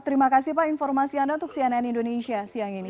terima kasih pak informasi anda untuk cnn indonesia siang ini